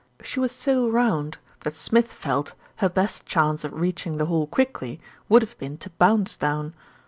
She was so round that Smith felt her best chance of reaching the hall quickly would have been to bounce down.